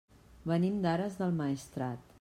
Venim d'Ares del Maestrat.